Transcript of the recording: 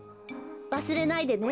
わすれないでね。